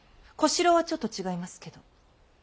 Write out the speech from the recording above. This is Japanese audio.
小四郎はちょっと違いますけど。